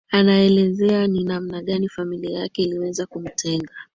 anaelezea ni namna gani familia yake iliweza kumtenga